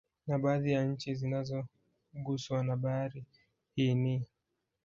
Na baadhi ya nchi zinazoguswa na Bahari hii ni